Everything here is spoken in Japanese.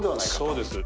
そうです。